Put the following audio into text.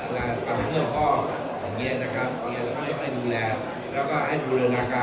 ปังเมื่อพ่ออย่างเงี้ยนะครับอย่างเงี้ยเราไม่ค่อยดูแลแล้วก็ให้บริษัทนักบริษัท